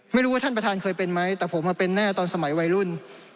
ไม่รู้ว่าท่านประธานเคยเป็นไหมแต่ผมเป็นแน่ตอนสมัยวัยรุ่น